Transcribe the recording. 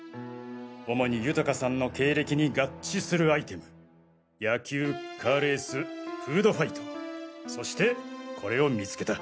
主に豊さんの経歴に合致するアイテム野球カーレースフードファイトそしてこれを見つけた。